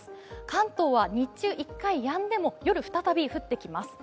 関東は日中、１回やんでも、夜、再び降ってきます。